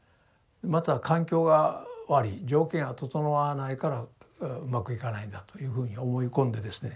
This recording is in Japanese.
また環境が悪い条件が整わないからうまくいかないんだというふうに思い込んでですね